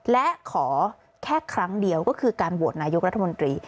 และขอแค่ครั้งเดียวก็คือการโหวตนายกรัฐมนตรี